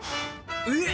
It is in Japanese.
えっ！